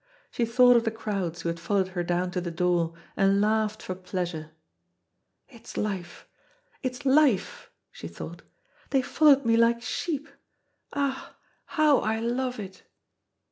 She thought of the crowds who had followed her down to the door, and laughed for pleasure. "It's life, it's life," she thought. "They followed me like sheep. Ah, how I love it!"